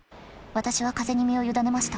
私は風に身を委ねました。